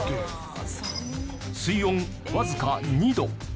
水温わずか２度。